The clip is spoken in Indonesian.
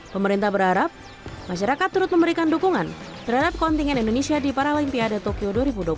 pemerintah berharap masyarakat turut memberikan dukungan terhadap kontingen indonesia di paralimpiade tokyo dua ribu dua puluh